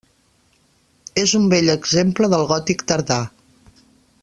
És un bell exemple del gòtic tardà.